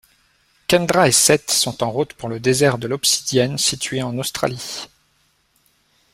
Kendra et Seth sont en route pour le désert de l'Obsidienne situé en Australie.